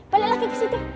balik lagi ke situ